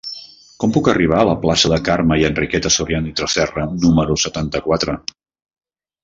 Com puc arribar a la plaça de Carme i Enriqueta Soriano i Tresserra número setanta-quatre?